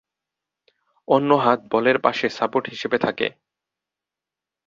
অন্য হাত বলের পাশে সাপোর্ট হিসেবে থাকে।